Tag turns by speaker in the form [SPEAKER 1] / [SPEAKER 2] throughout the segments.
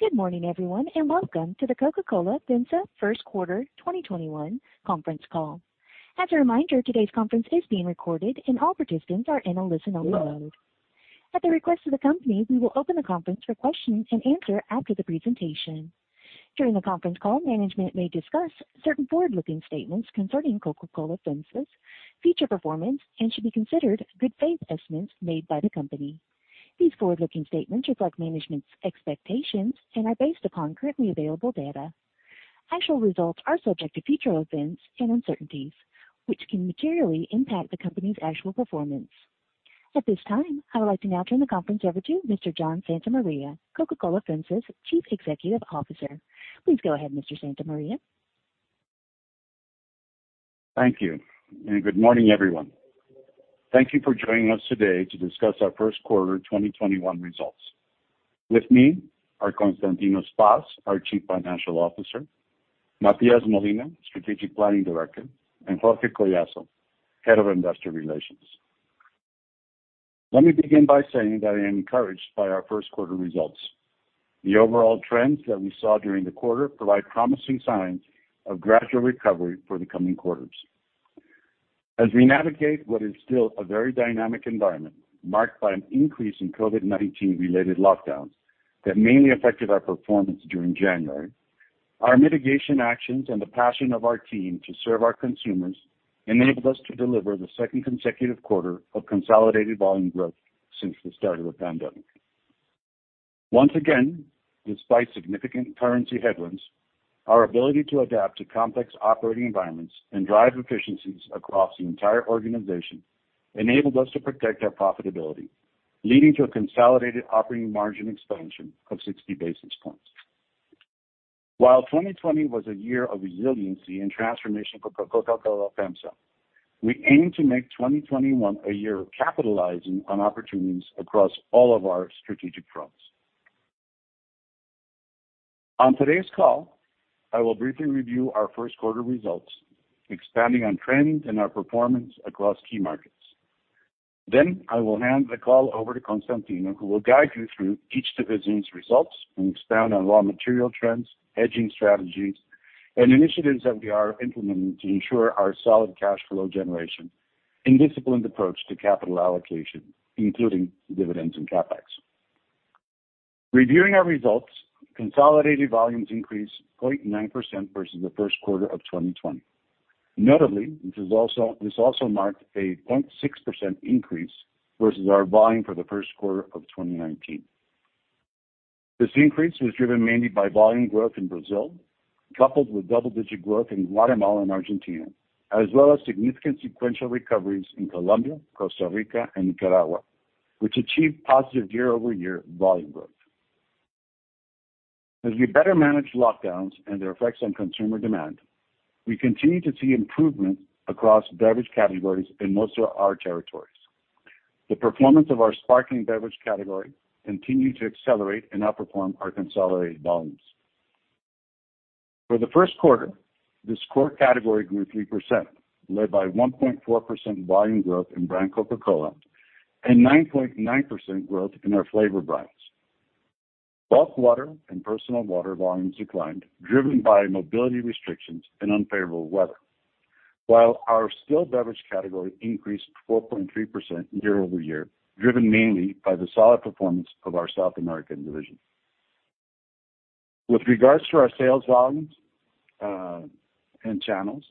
[SPEAKER 1] Good morning, everyone, and welcome to the Coca-Cola FEMSA First Quarter 2021 Conference call. As a reminder, today's conference is being recorded and all participants are in a listen-only mode. At the request of the company, we will open the conference for questions and answers after the presentation. During the conference call, management may discuss certain forward-looking statements concerning Coca-Cola FEMSA's future performance and should be considered good faith estimates made by the company. These forward-looking statements reflect management's expectations and are based upon currently available data. Actual results are subject to future events and uncertainties, which can materially impact the company's actual performance. At this time, I would like to now turn the conference over to Mr. John Santa Maria, Coca-Cola FEMSA's Chief Executive Officer. Please go ahead, Mr. Santa Maria.
[SPEAKER 2] Thank you, and good morning, everyone. Thank you for joining us today to discuss our first quarter twenty twenty-one results. With me are Constantino Spas, our Chief Financial Officer, Matias Molina, Strategic Planning Director, and Jorge Collazo, Head of Investor Relations. Let me begin by saying that I am encouraged by our first quarter results. The overall trends that we saw during the quarter provide promising signs of gradual recovery for the coming quarters. As we navigate what is still a very dynamic environment, marked by an increase in COVID-19 related lockdowns that mainly affected our performance during January, our mitigation actions and the passion of our team to serve our consumers enabled us to deliver the second consecutive quarter of consolidated volume growth since the start of the pandemic. Once again, despite significant currency headwinds, our ability to adapt to complex operating environments and drive efficiencies across the entire organization enabled us to protect our profitability, leading to a consolidated operating margin expansion of sixty basis points. While 2020 was a year of resiliency and transformation for Coca-Cola FEMSA, we aim to make 2021 a year of capitalizing on opportunities across all of our strategic fronts. On today's call, I will briefly review our first quarter results, expanding on trends and our performance across key markets. Then I will hand the call over to Constantino, who will guide you through each division's results and expand on raw material trends, hedging strategies, and initiatives that we are implementing to ensure our solid cash flow generation and disciplined approach to capital allocation, including dividends and CapEx. Reviewing our results, consolidated volumes increased 0.9% versus the first quarter of 2020. Notably, this also marked a 0.6% increase versus our volume for the first quarter of 2019. This increase was driven mainly by volume growth in Brazil, coupled with double-digit growth in Guatemala and Argentina, as well as significant sequential recoveries in Colombia, Costa Rica, and Nicaragua, which achieved positive year-over-year volume growth. As we better manage lockdowns and their effects on consumer demand, we continue to see improvement across beverage categories in most of our territories. The performance of our sparkling beverage category continued to accelerate and outperform our consolidated volumes. For the first quarter, this core category grew 3%, led by 1.4% volume growth in brand Coca-Cola and 9.9% growth in our flavor brands. Both water and personal water volumes declined, driven by mobility restrictions and unfavorable weather. While our still beverage category increased 4.3% year-over-year, driven mainly by the solid performance of our South American division. With regards to our sales volumes and channels,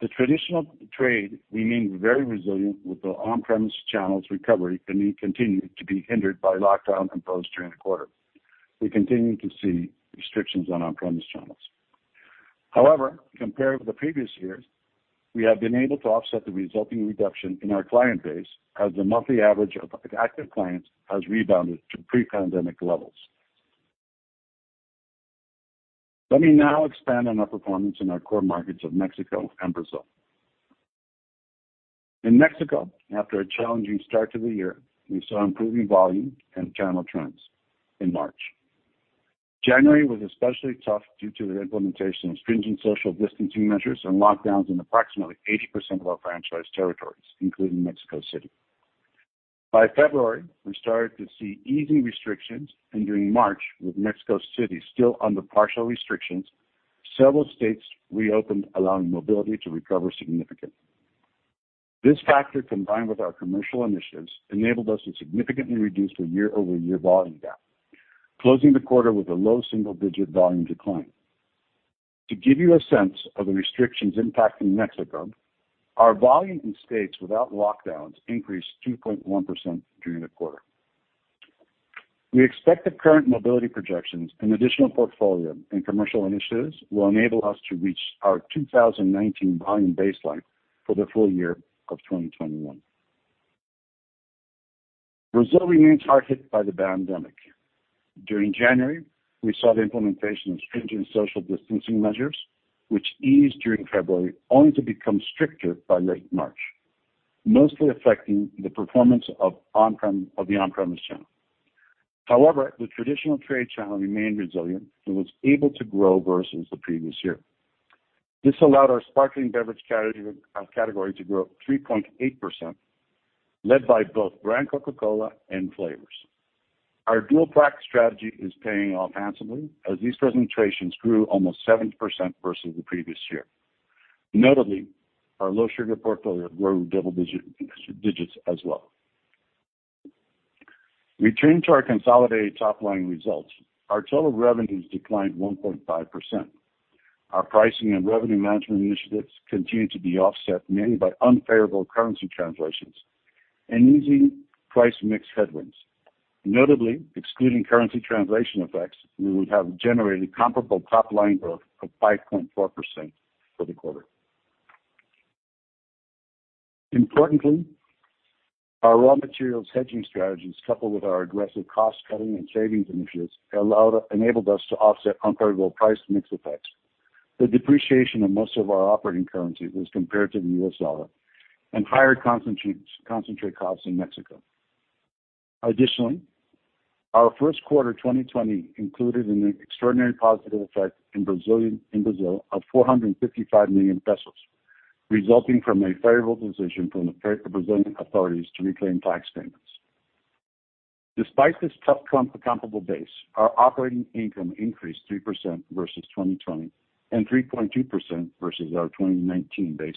[SPEAKER 2] the traditional trade remained very resilient with the on-premise channels recovery continued to be hindered by lockdown imposed during the quarter. We continue to see restrictions on on-premise channels. However, compared with the previous years, we have been able to offset the resulting reduction in our client base, as the monthly average of active clients has rebounded to pre-pandemic levels. Let me now expand on our performance in our core markets of Mexico and Brazil. In Mexico, after a challenging start to the year, we saw improving volume and channel trends in March. January was especially tough due to the implementation of stringent social distancing measures and lockdowns in approximately 80% of our franchise territories, including Mexico City. By February, we started to see easing restrictions, and during March, with Mexico City still under partial restrictions, several states reopened, allowing mobility to recover significantly. This factor, combined with our commercial initiatives, enabled us to significantly reduce the year-over-year volume gap, closing the quarter with a low single-digit volume decline. To give you a sense of the restrictions impacting Mexico, our volume in states without lockdowns increased 2.1% during the quarter. We expect the current mobility projections and additional portfolio and commercial initiatives will enable us to reach our 2019 volume baseline for the full year of 2021. Brazil remains hard hit by the pandemic. During January, we saw the implementation of stringent social distancing measures, which eased during February, only to become stricter by late March, mostly affecting the performance of on-premise channel. However, the traditional trade channel remained resilient and was able to grow versus the previous year. This allowed our sparkling beverage category, category to grow 3.8%, led by both brand Coca-Cola and flavors. Our dual pack strategy is paying off handsomely, as these presentations grew almost 7% versus the previous year. Notably, our low sugar portfolio grew double digits as well. Returning to our consolidated top line results, our total revenues declined 1.5%. Our pricing and revenue management initiatives continued to be offset mainly by unfavorable currency translations and easing price mix headwinds. Notably, excluding currency translation effects, we would have generated comparable top line growth of 5.4% for the quarter. Importantly, our raw materials hedging strategies, coupled with our aggressive cost cutting and savings initiatives, enabled us to offset unfavorable price mix effects. The depreciation of most of our operating currencies was compared to the US dollar and higher concentrate costs in Mexico. Additionally, our first quarter 2020 included an extraordinary positive effect in Brazil of 455 million pesos, resulting from a favorable decision from the Brazilian authorities to reclaim tax payments. Despite this tough comparable base, our operating income increased 3% versus 2020 and 3.2% versus our 2019 baseline.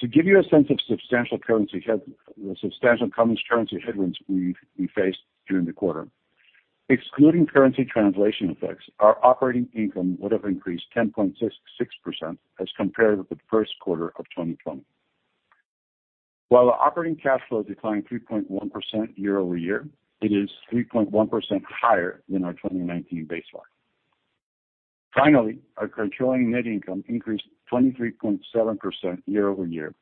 [SPEAKER 2] To give you a sense of substantial currency headwinds we faced during the quarter, excluding currency translation effects, our operating income would have increased 10.6% as compared with the first quarter of 2020. While our operating cash flow declined 3.1% year-over-year, it is 3.1% higher than our 2019 baseline. Finally, our controlling net income increased 23.7% year-over-year,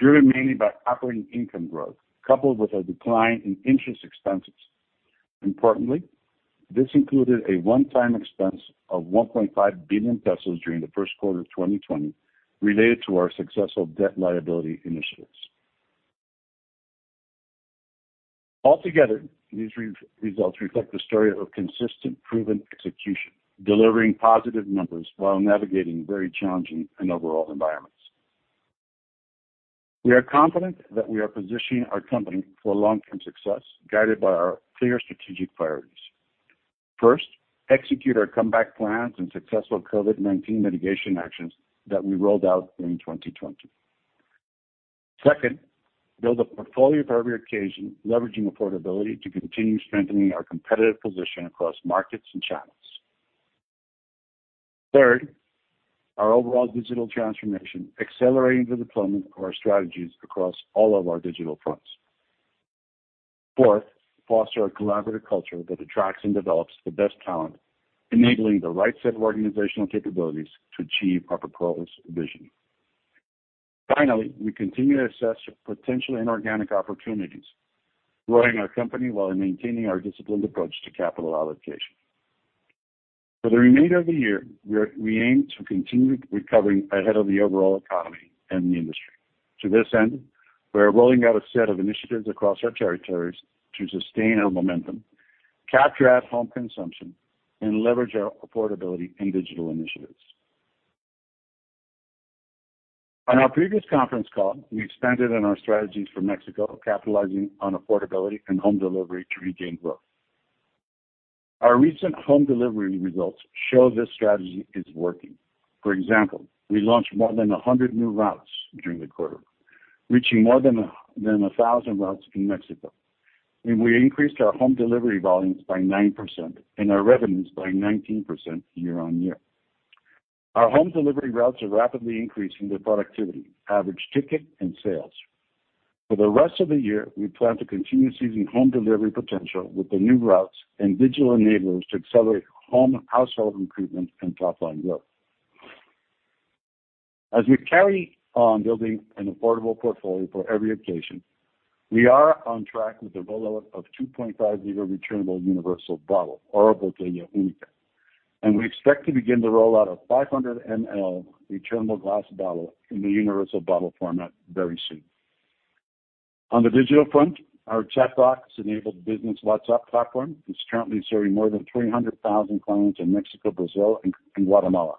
[SPEAKER 2] driven mainly by operating income growth, coupled with a decline in interest expenses. Importantly, this included a one-time expense of 1.5 billion pesos during the first quarter of 2020, related to our successful debt liability initiatives. Altogether, these results reflect the story of consistent proven execution, delivering positive numbers while navigating very challenging and overall environments. We are confident that we are positioning our company for long-term success, guided by our clear strategic priorities. First, execute our comeback plans and successful COVID-19 mitigation actions that we rolled out during 2020. Second, build a portfolio for every occasion, leveraging affordability to continue strengthening our competitive position across markets and channels. Third, our overall digital transformation, accelerating the deployment of our strategies across all of our digital fronts. Fourth, foster a collaborative culture that attracts and develops the best talent, enabling the right set of organizational capabilities to achieve our purpose vision. Finally, we continue to assess potential inorganic opportunities, growing our company while maintaining our disciplined approach to capital allocation. For the remainder of the year, we aim to continue recovering ahead of the overall economy and the industry. To this end, we are rolling out a set of initiatives across our territories to sustain our momentum, capture at-home consumption, and leverage our affordability and digital initiatives. On our previous conference call, we expanded on our strategies for Mexico, capitalizing on affordability and home delivery to regain growth. Our recent home delivery results show this strategy is working. For example, we launched more than 100 new routes during the quarter, reaching more than 1,000 routes in Mexico, and we increased our home delivery volumes by 9% and our revenues by 19% year-on-year. Our home delivery routes are rapidly increasing their productivity, average ticket, and sales. For the rest of the year, we plan to continue seizing home delivery potential with the new routes and digital enablers to accelerate home household recruitment and top line growth. As we carry on building an affordable portfolio for every occasion, we are on track with the rollout of 2.5-liter returnable Universal Bottle, or Botella Única, and we expect to begin the rollout of 500 mL returnable glass bottle in the Universal Bottle format very soon. On the digital front, our chatbots-enabled business WhatsApp platform is currently serving more than 300,000 clients in Mexico, Brazil, and Guatemala.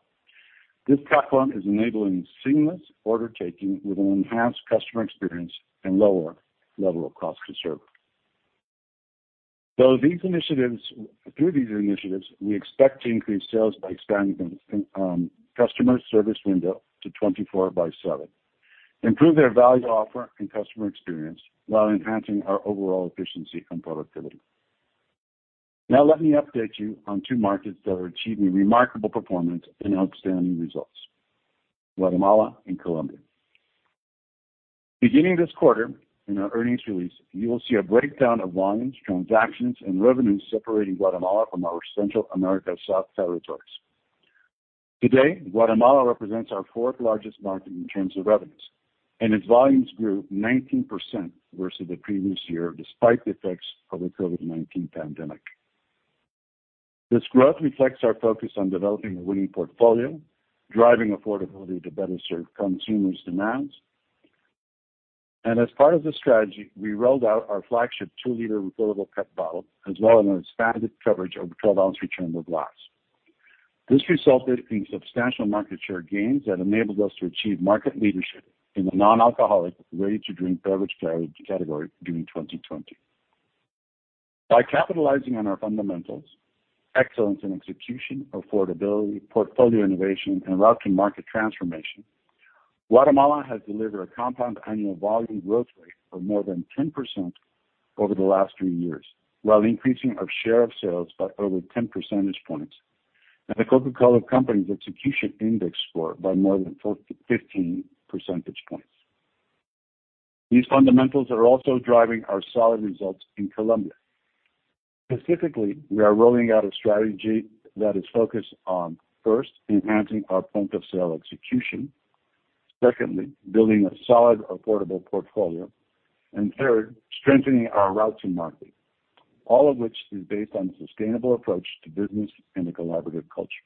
[SPEAKER 2] This platform is enabling seamless order taking with an enhanced customer experience and lower level of cost to serve. Through these initiatives, we expect to increase sales by expanding customer service window to 24/7, improve their value offer and customer experience while enhancing our overall efficiency and productivity. Now, let me update you on two markets that are achieving remarkable performance and outstanding results, Guatemala and Colombia. Beginning this quarter, in our earnings release, you will see a breakdown of volumes, transactions, and revenues separating Guatemala from our Central America South territories. Today, Guatemala represents our fourth largest market in terms of revenues, and its volumes grew 19% versus the previous year, despite the effects of the COVID-19 pandemic. This growth reflects our focus on developing a winning portfolio, driving affordability to better serve consumers' demands, and as part of the strategy, we rolled out our flagship two-liter refillable PET bottle, as well as an expanded coverage of 12-ounce returnable glass. This resulted in substantial market share gains that enabled us to achieve market leadership in the non-alcoholic, ready-to-drink beverage category during 2020. By capitalizing on our fundamentals, excellence in execution, affordability, portfolio innovation, and route to market transformation, Guatemala has delivered a compound annual volume growth rate of more than 10% over the last three years, while increasing our share of sales by over 10 percentage points, and the Coca-Cola Company's Execution Index score by more than four to 15 percentage points. These fundamentals are also driving our solid results in Colombia. Specifically, we are rolling out a strategy that is focused on, first, enhancing our point of sale execution. Secondly, building a solid, affordable portfolio. And third, strengthening our route to market, all of which is based on a sustainable approach to business and a collaborative culture.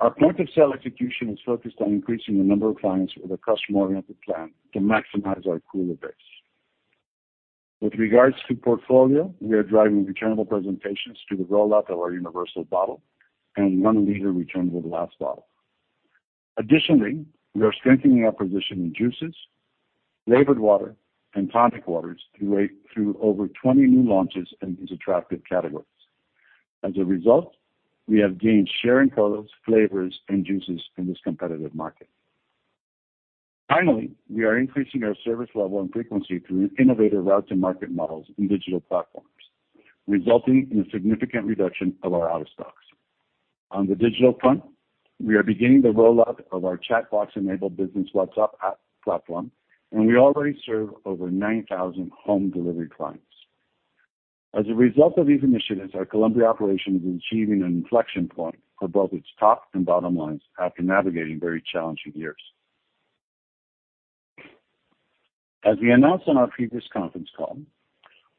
[SPEAKER 2] Our point of sale execution is focused on increasing the number of clients with a customer-oriented plan to maximize our cooler base. With regards to portfolio, we are driving returnable presentations through the rollout of our universal bottle and one liter returnable glass bottle. Additionally, we are strengthening our position in juices, flavored water, and tonic waters through over 20 new launches in these attractive categories. As a result, we have gained share in colors, flavors, and juices in this competitive market. Finally, we are increasing our service level and frequency through innovative route to market models and digital platforms, resulting in a significant reduction of our out-of-stocks. On the digital front, we are beginning the rollout of our chatbot-enabled business WhatsApp app platform, and we already serve over 9,000 home delivery clients. As a result of these initiatives, our Colombia operation is achieving an inflection point for both its top and bottom lines after navigating very challenging years. As we announced on our previous conference call,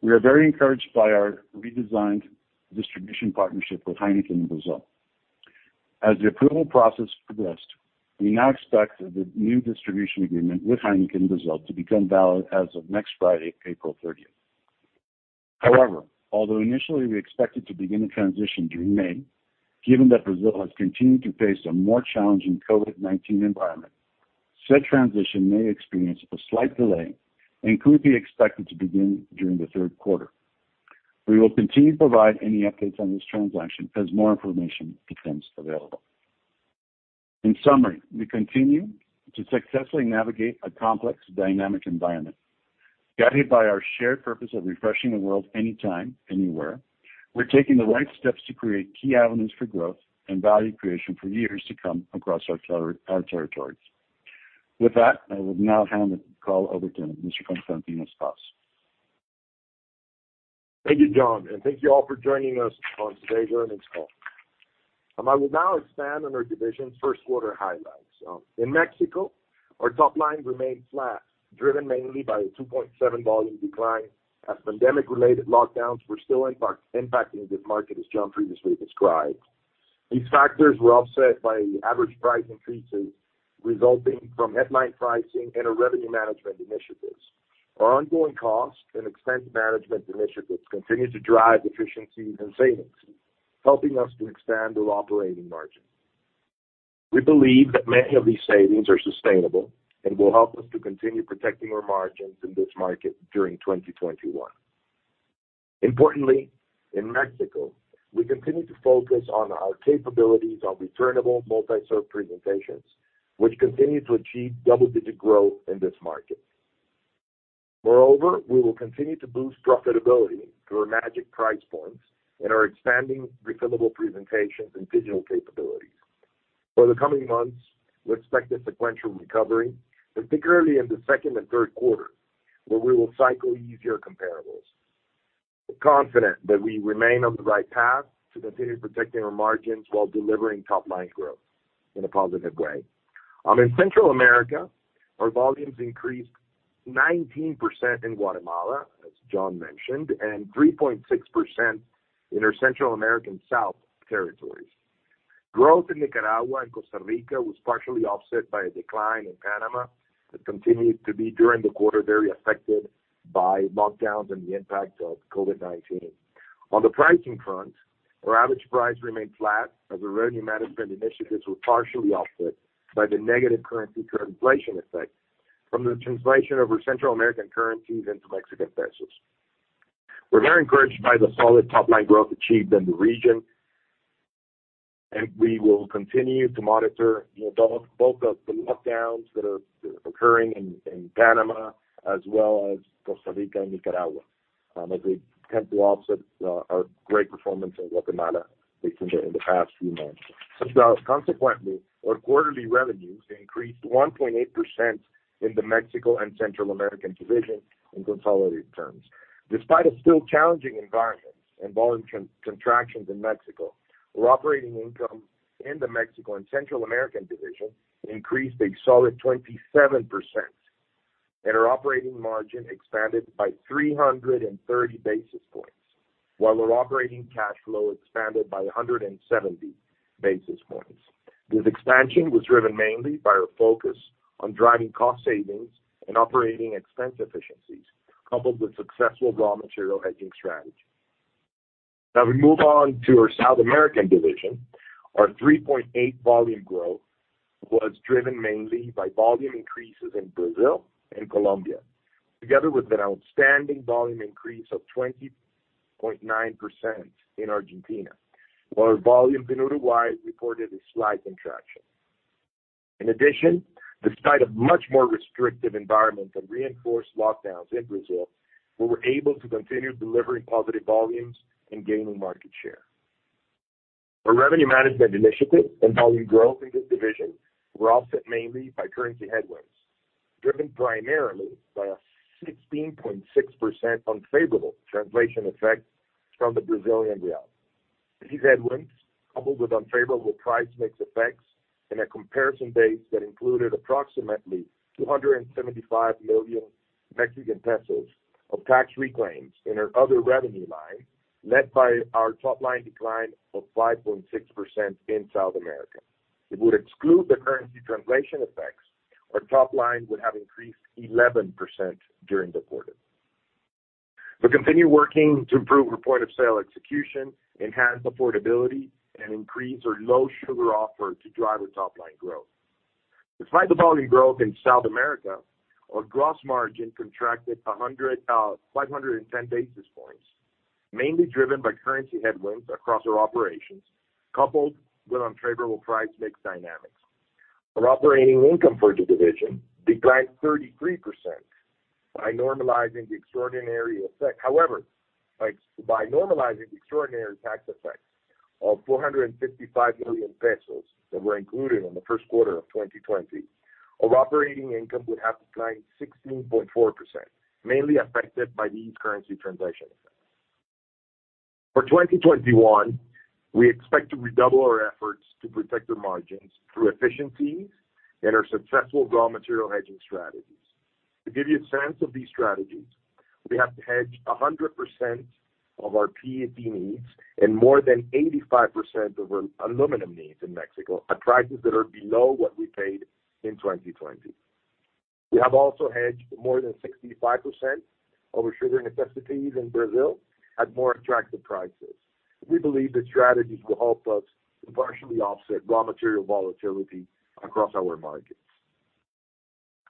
[SPEAKER 2] we are very encouraged by our redesigned distribution partnership with Heineken Brazil. As the approval process progressed, we now expect the new distribution agreement with Heineken Brazil to become valid as of next Friday, April thirtieth. However, although initially we expected to begin the transition during May, given that Brazil has continued to face a more challenging COVID-19 environment, said transition may experience a slight delay and could be expected to begin during the third quarter. We will continue to provide any updates on this transaction as more information becomes available. In summary, we continue to successfully navigate a complex, dynamic environment. Guided by our shared purpose of refreshing the world anytime, anywhere, we're taking the right steps to create key avenues for growth and value creation for years to come across our territories. With that, I will now hand the call over to Mr. Constantino Spas.
[SPEAKER 3] Thank you, John, and thank you all for joining us on today's earnings call. I will now expand on our division's first quarter highlights. In Mexico, our top line remained flat, driven mainly by a 2.7 volume decline, as pandemic-related lockdowns were still impacting this market, as John previously described. These factors were offset by average price increases resulting from headline pricing and our revenue management initiatives. Our ongoing cost and expense management initiatives continued to drive efficiencies and savings, helping us to expand our operating margin. We believe that many of these savings are sustainable and will help us to continue protecting our margins in this market during 2021. Importantly, in Mexico, we continue to focus on our capabilities on returnable, multi-serve presentations, which continue to achieve double-digit growth in this market. Moreover, we will continue to boost profitability through our Magic Price Points and our expanding refillable presentations and digital capabilities. For the coming months, we expect a sequential recovery, particularly in the second and third quarter, where we will cycle easier comparables. We're confident that we remain on the right path to continue protecting our margins while delivering top line growth in a positive way. In Central America, our volumes increased 19% in Guatemala, as John mentioned, and 3.6% in our Central American South territories. Growth in Nicaragua and Costa Rica was partially offset by a decline in Panama that continued to be, during the quarter, very affected by lockdowns and the impact of COVID-19. On the pricing front, our average price remained flat, as our revenue management initiatives were partially offset by the negative currency translation effect from the translation of our Central American currencies into Mexican pesos. We're very encouraged by the solid top-line growth achieved in the region, and we will continue to monitor, you know, both the lockdowns that are occurring in Panama as well as Costa Rica and Nicaragua, as they tend to offset our great performance in Guatemala recently in the past few months. So consequently, our quarterly revenues increased 1.8% in the Mexico and Central American division in consolidated terms. Despite a still challenging environment and volume contractions in Mexico, our operating income in the Mexico and Central American division increased a solid 27%, and our operating margin expanded by 330 basis points. While our operating cash flow expanded by 170 basis points. This expansion was driven mainly by our focus on driving cost savings and operating expense efficiencies, coupled with successful raw material hedging strategy. Now we move on to our South American division. Our 3.8 volume growth was driven mainly by volume increases in Brazil and Colombia, together with an outstanding volume increase of 20.9% in Argentina, while our volume in Uruguay reported a slight contraction. In addition, despite a much more restrictive environment and reinforced lockdowns in Brazil, we were able to continue delivering positive volumes and gaining market share. Our revenue management initiatives and volume growth in this division were offset mainly by currency headwinds, driven primarily by a 16.6% unfavorable translation effect from the Brazilian real. These headwinds, coupled with unfavorable price mix effects and a comparison base that included approximately 275 million Mexican pesos of tax reclaims in our other revenue line, led to our top line decline of 5.6% in South America. If we would exclude the currency translation effects, our top line would have increased 11% during the quarter. We continue working to improve our point of sale execution, enhance affordability, and increase our low sugar offer to drive our top line growth. Despite the volume growth in South America, our gross margin contracted 1,050 basis points, mainly driven by currency headwinds across our operations, coupled with unfavorable price mix dynamics. Our operating income for the division declined 33% by normalizing the extraordinary effect. However, by normalizing the extraordinary tax effects of 455 million pesos that were included in the first quarter of 2020, our operating income would have declined 16.4%, mainly affected by these currency translation effects. For 2021, we expect to redouble our efforts to protect the margins through efficiencies and our successful raw material hedging strategies. To give you a sense of these strategies, we have to hedge 100% of our PET needs and more than 85% of our aluminum needs in Mexico at prices that are below what we paid in 2020. We have also hedged more than 65% of our sugar necessities in Brazil at more attractive prices. We believe these strategies will help us to partially offset raw material volatility across our markets.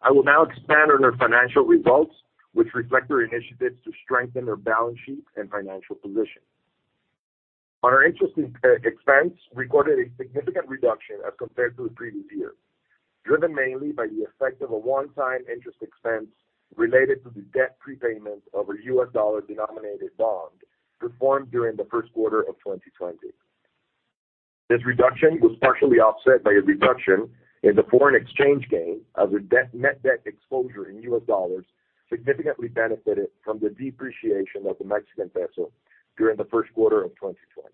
[SPEAKER 3] I will now expand on our financial results, which reflect our initiatives to strengthen our balance sheet and financial position. On our interest expense, we recorded a significant reduction as compared to the previous year, driven mainly by the effect of a one-time interest expense related to the debt prepayment of a U.S. dollar-denominated bond performed during the first quarter of 2020. This reduction was partially offset by a reduction in the foreign exchange gain, as our net debt exposure in U.S. dollars significantly benefited from the depreciation of the Mexican peso during the first quarter of 2020.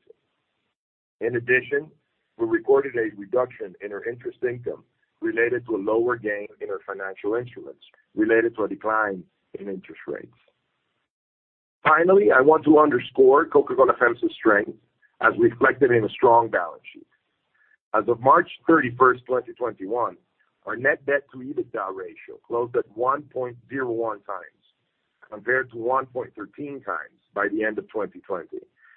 [SPEAKER 3] In addition, we recorded a reduction in our interest income related to a lower gain in our financial instruments related to a decline in interest rates. Finally, I want to underscore Coca-Cola FEMSA's strength as reflected in a strong balance sheet. As of March 31, 2021, our net debt to EBITDA ratio closed at 1.01 times, compared to 1.13 times by the end of 2020,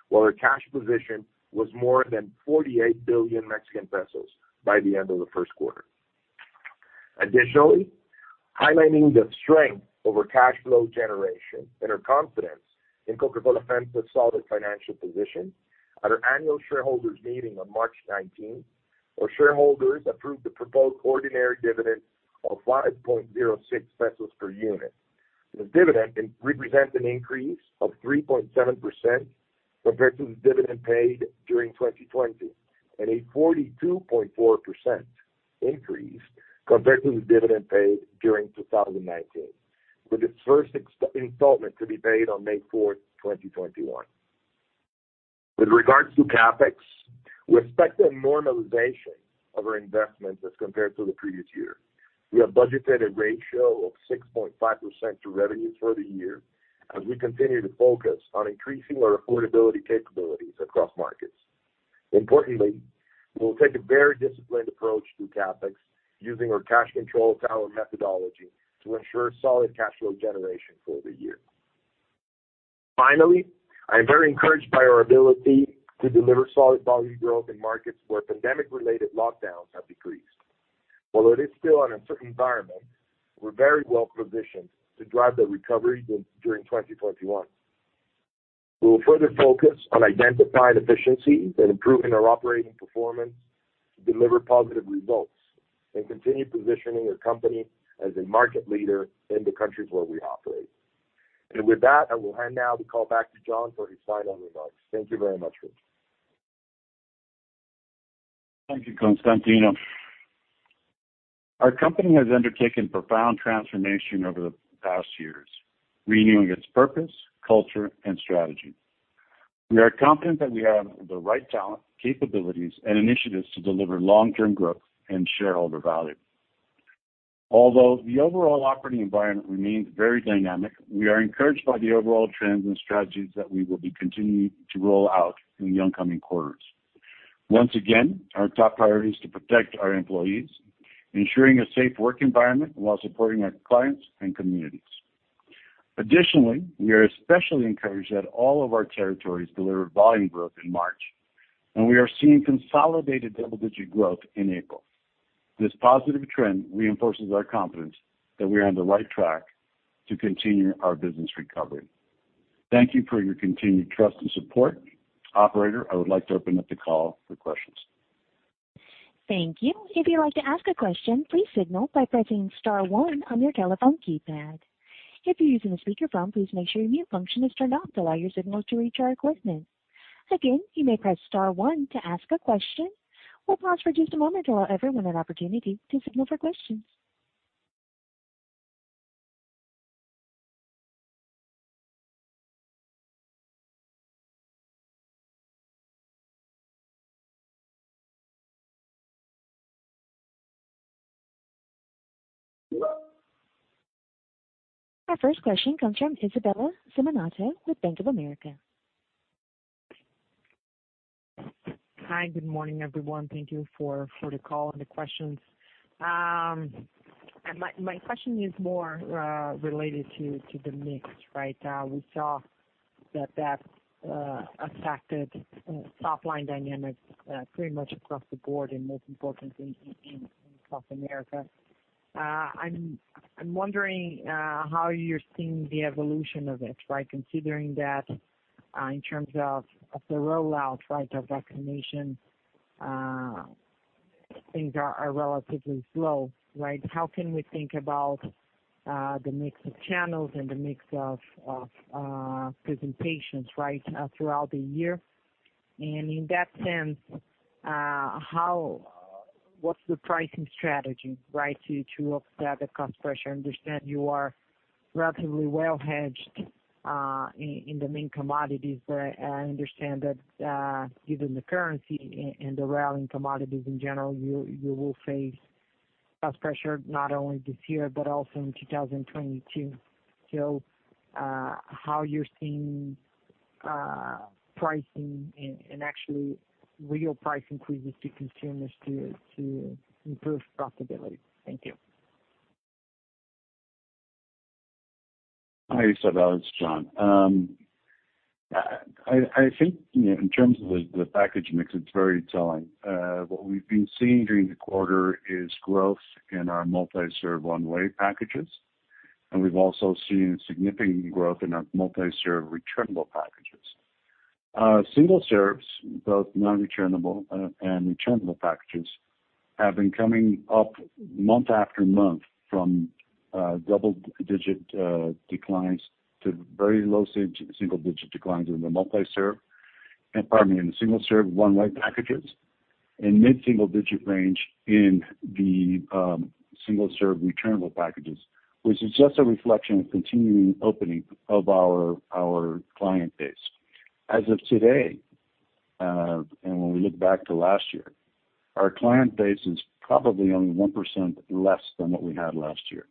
[SPEAKER 3] while our cash position was more than 48 billion Mexican pesos by the end of the first quarter. Additionally, highlighting the strength of our cash flow generation and our confidence in Coca-Cola FEMSA's solid financial position, at our annual shareholders' meeting on March 19, our shareholders approved the proposed ordinary dividend of 5.06 pesos per unit. This dividend represents an increase of 3.7% compared to the dividend paid during 2020, and a 42.4% increase compared to the dividend paid during 2019, with its first installment to be paid on May 4, 2021. With regards to CapEx, we expect a normalization of our investments as compared to the previous year. We have budgeted a ratio of 6.5% to revenues for the year as we continue to focus on increasing our affordability capabilities across markets. Importantly, we'll take a very disciplined approach to CapEx, using our cash control tower methodology to ensure solid cash flow generation for the year. Finally, I am very encouraged by our ability to deliver solid volume growth in markets where pandemic-related lockdowns have decreased. Although it is still an uncertain environment, we're very well positioned to drive the recovery during 2021. We will further focus on identifying efficiencies and improving our operating performance to deliver positive results, and continue positioning our company as a market leader in the countries where we operate. With that, I will hand now the call back to John for his final remarks. Thank you very much.
[SPEAKER 2] Thank you, Constantino. Our company has undertaken profound transformation over the past years, renewing its purpose, culture, and strategy. We are confident that we have the right talent, capabilities, and initiatives to deliver long-term growth and shareholder value.... Although the overall operating environment remains very dynamic, we are encouraged by the overall trends and strategies that we will be continuing to roll out in the upcoming quarters. Once again, our top priority is to protect our employees, ensuring a safe work environment while supporting our clients and communities. Additionally, we are especially encouraged that all of our territories delivered volume growth in March, and we are seeing consolidated double-digit growth in April. This positive trend reinforces our confidence that we are on the right track to continue our business recovery. Thank you for your continued trust and support. Operator, I would like to open up the call for questions.
[SPEAKER 1] Thank you. If you'd like to ask a question, please signal by pressing star one on your telephone keypad. If you're using a speakerphone, please make sure your mute function is turned off to allow your signals to reach our equipment. Again, you may press star one to ask a question. We'll pause for just a moment to allow everyone an opportunity to signal for questions. Our first question comes from Isabella Simonato with Bank of America.
[SPEAKER 4] Hi, good morning, everyone. Thank you for the call and the questions. My question is more related to the mix, right? We saw that affected top line dynamics pretty much across the board and most importantly in South America. I'm wondering how you're seeing the evolution of it, right? Considering that in terms of the rollout, right, of vaccination things are relatively slow, right? How can we think about the mix of channels and the mix of presentations, right, throughout the year? And in that sense, how what's the pricing strategy, right, to offset the cost pressure? I understand you are relatively well hedged in the main commodities, but I understand that given the currency and the rally in commodities in general, you will face cost pressure, not only this year, but also in two thousand and twenty-two. So how you're seeing pricing and actually real price increases to consumers to improve profitability? Thank you.
[SPEAKER 2] Hi, Isabella, it's John. I think, you know, in terms of the package mix, it's very telling. What we've been seeing during the quarter is growth in our multi-serve one-way packages, and we've also seen significant growth in our multi-serve returnable packages. Single serves, both non-returnable, and returnable packages, have been coming up month after month from double digit declines to very low single digit declines in the multi-serve, and pardon me, in the single serve one-way packages, and mid-single digit range in the single serve returnable packages, which is just a reflection of continuing opening of our client base. As of today, and when we look back to last year, our client base is probably only 1% less than what we had last year.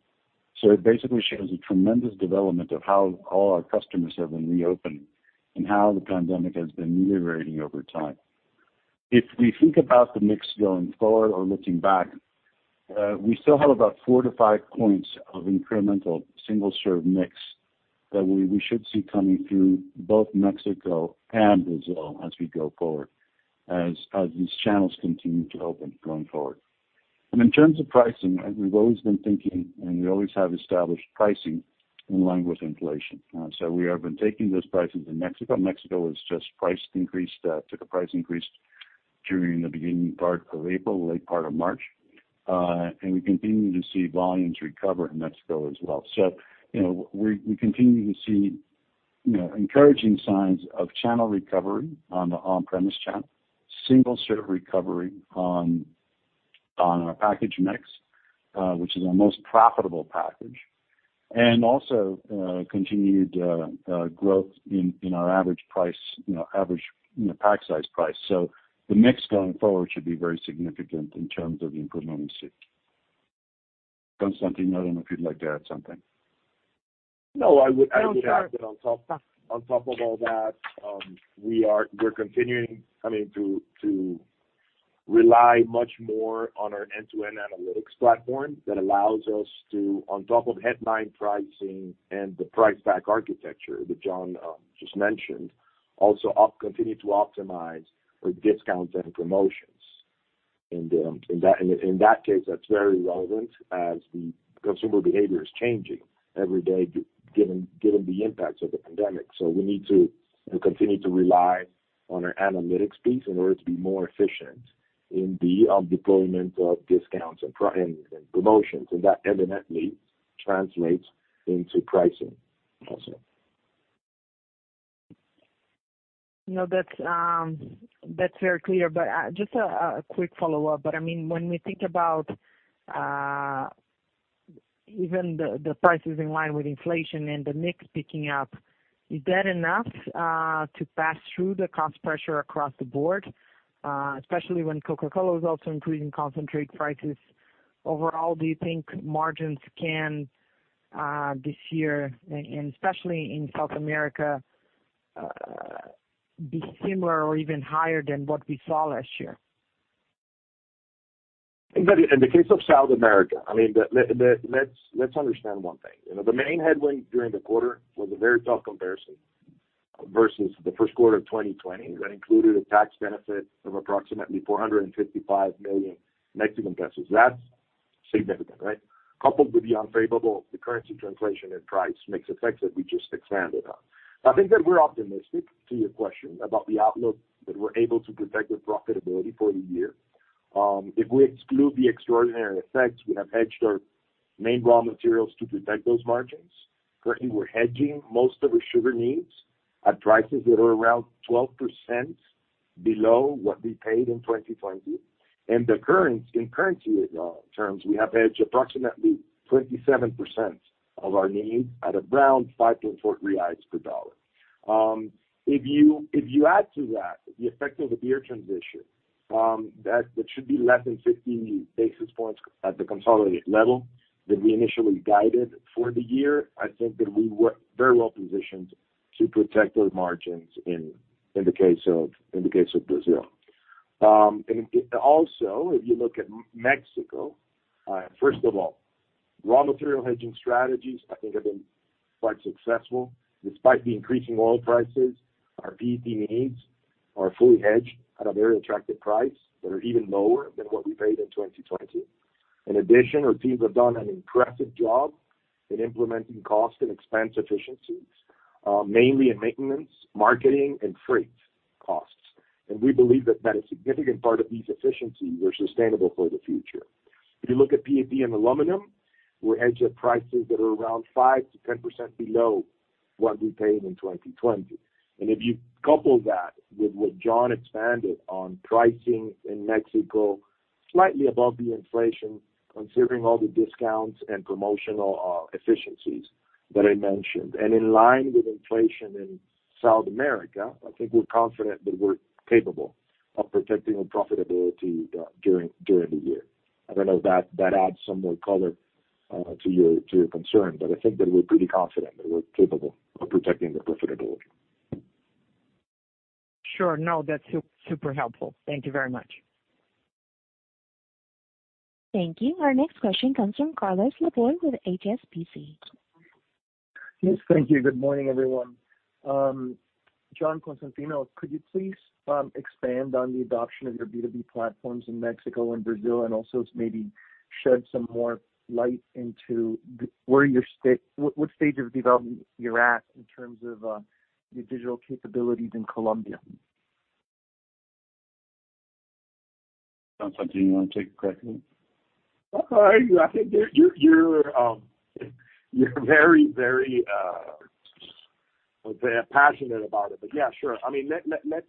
[SPEAKER 2] It basically shows a tremendous development of how all our customers have been reopening and how the pandemic has been receding over time. If we think about the mix going forward or looking back, we still have about four to five points of incremental single serve mix that we should see coming through both Mexico and Brazil as we go forward, as these channels continue to open going forward. In terms of pricing, we've always been thinking, and we always have established pricing in line with inflation. We have been taking those prices in Mexico. Mexico has just price increased, took a price increase during the beginning part of April, late part of March. We continue to see volumes recover in Mexico as well. So, you know, we continue to see, you know, encouraging signs of channel recovery on the on-premise channel, single serve recovery on our package mix, which is our most profitable package, and also continued growth in our average price, you know, average, you know, pack size price. So the mix going forward should be very significant in terms of the improvement we see. Constantino, I don't know if you'd like to add something.
[SPEAKER 3] No, I would add that on top of all that. We're continuing, I mean, to rely much more on our end-to-end analytics platform that allows us to, on top of headline pricing and the price pack architecture that John just mentioned, also continue to optimize with discounts and promotions. In that case, that's very relevant as the consumer behavior is changing every day given the impacts of the pandemic. So we need to continue to rely on our analytics piece in order to be more efficient in the deployment of discounts and promotions, and that evidently translates into pricing also.
[SPEAKER 4] No, that's, that's very clear. But just a quick follow-up. But I mean, when we think about even the prices in line with inflation and the mix picking up... Is that enough to pass through the cost pressure across the board, especially when Coca-Cola is also increasing concentrate prices? Overall, do you think margins can this year, and especially in South America, be similar or even higher than what we saw last year?
[SPEAKER 3] In the case of South America, I mean, let's understand one thing. You know, the main headwind during the quarter was a very tough comparison versus the first quarter of 2020, that included a tax benefit of approximately 455 million Mexican pesos. That's significant, right? Coupled with the unfavorable currency translation and price mix effects that we just expanded on. I think that we're optimistic, to your question, about the outlook, that we're able to protect the profitability for the year. If we exclude the extraordinary effects, we have hedged our main raw materials to protect those margins. Currently, we're hedging most of our sugar needs at prices that are around 12% below what we paid in 2020. And the currency, in currency terms, we have hedged approximately 27% of our needs at around 5.4 reais per dollar. If you add to that the effect of the beer transition, that should be less than 50 basis points at the consolidated level that we initially guided for the year, I think that we were very well positioned to protect those margins in the case of Brazil. And also, if you look at Mexico, first of all, raw material hedging strategies, I think, have been quite successful. Despite the increasing oil prices, our PET needs are fully hedged at a very attractive price that are even lower than what we paid in 2020. In addition, our teams have done an impressive job in implementing cost and expense efficiencies, mainly in maintenance, marketing, and freight costs. We believe that a significant part of these efficiencies are sustainable for the future. If you look at PET and aluminum, we're hedged at prices that are around 5%-10% below what we paid in 2020. If you couple that with what John expanded on pricing in Mexico, slightly above the inflation, considering all the discounts and promotional efficiencies that I mentioned, and in line with inflation in South America, I think we're confident that we're capable of protecting our profitability during the year. I don't know if that adds some more color to your concern, but I think that we're pretty confident that we're capable of protecting the profitability.
[SPEAKER 4] Sure. No, that's super helpful. Thank you very much.
[SPEAKER 1] Thank you. Our next question comes from Carlos Laboy with HSBC.
[SPEAKER 5] Yes, thank you. Good morning, everyone. John, Constantino, could you please expand on the adoption of your B2B platforms in Mexico and Brazil, and also maybe shed some more light into where you stand, what stage of development you're at in terms of your digital capabilities in Colombia?
[SPEAKER 6] John, Constantino, you want to take a crack at it?
[SPEAKER 3] I think you're very passionate about it. But yeah, sure. I mean, let's...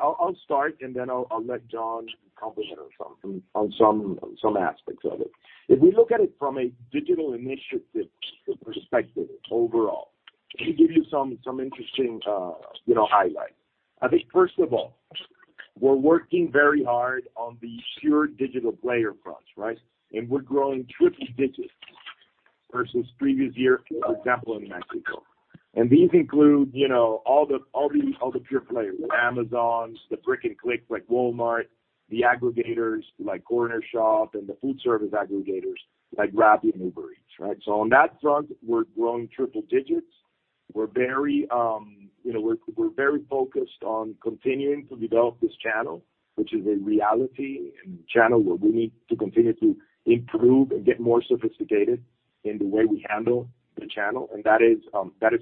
[SPEAKER 3] I'll start, and then I'll let John comment on some aspects of it. If we look at it from a digital initiative perspective overall, let me give you some interesting, you know, highlights. I think, first of all, we're working very hard on the pure digital player fronts, right? And we're growing triple digits versus previous year, for example, in Mexico. And these include, you know, all the pure players, the Amazons, the brick-and-click, like Walmart, the aggregators, like Cornershop, and the food service aggregators, like Rappi and Uber Eats, right? So on that front, we're growing triple digits. We're very, you know, we're very focused on continuing to develop this channel, which is a reality and channel where we need to continue to improve and get more sophisticated in the way we handle the channel. And that is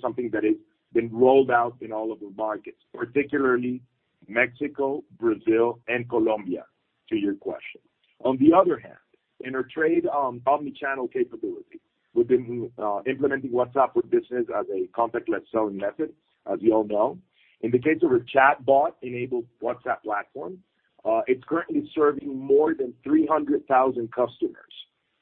[SPEAKER 3] something that has been rolled out in all of the markets, particularly Mexico, Brazil, and Colombia, to your question. On the other hand, in our trade omni-channel capability, we've been implementing WhatsApp with business as a contactless selling method, as you all know. In the case of a chatbot-enabled WhatsApp platform, it's currently serving more than three hundred thousand customers,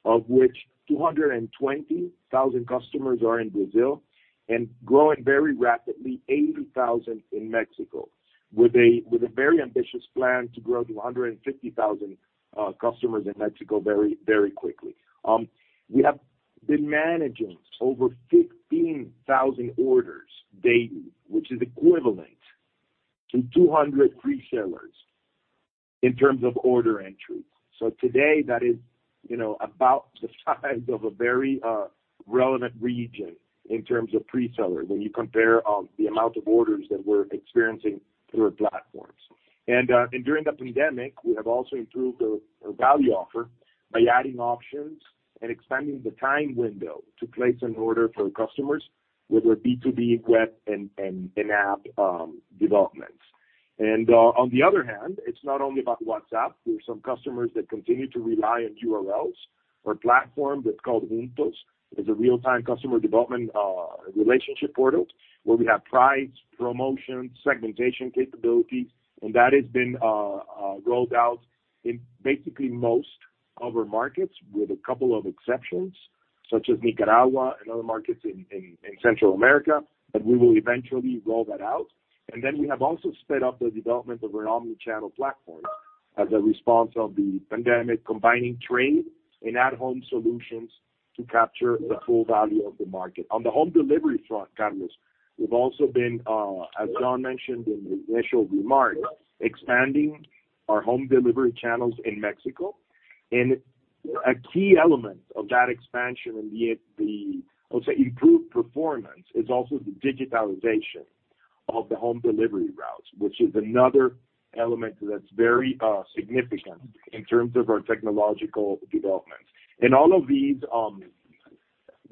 [SPEAKER 3] of which two hundred and twenty thousand customers are in Brazil, and growing very rapidly, eighty thousand in Mexico, with a very ambitious plan to grow to a hundred and fifty thousand customers in Mexico very, very quickly. We have been managing over 15,000 orders daily, which is equivalent to 200 presellers in terms of order entry. So today, that is, you know, about the size of a very relevant region in terms of presellers, when you compare the amount of orders that we're experiencing through our platforms. And during the pandemic, we have also improved our value offer by adding options and expanding the time window to place an order for customers with our B2B web and app developments. And on the other hand, it's not only about WhatsApp. There are some customers that continue to rely on URLs or a platform that's called Juntos. It's a real-time customer development relationship portal, where we have price, promotion, segmentation capabilities, and that has been rolled out in basically most other markets with a couple of exceptions, such as Nicaragua and other markets in Central America, but we will eventually roll that out. And then we have also sped up the development of an omni-channel platform as a response of the pandemic, combining trade and at-home solutions to capture the full value of the market. On the home delivery front, Carlos, we've also been, as John mentioned in the initial remarks, expanding our home delivery channels in Mexico. And a key element of that expansion and yet the, I would say, improved performance, is also the digitalization of the home delivery routes, which is another element that's very significant in terms of our technological developments. And all of these